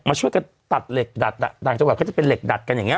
มาช่วยกันตัดเหล็กดัดอ่ะต่างจังหวัดเขาจะเป็นเหล็กดัดกันอย่างเงี